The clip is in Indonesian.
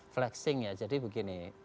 flexing ya jadi begini